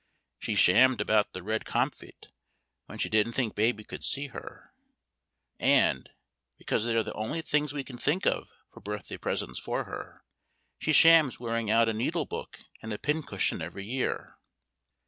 She shammed about the red comfit, when she didn't think Baby could see her; And (because they're the only things we can think of for birthday presents for her) she shams wearing out a needle book and a pin cushion every year.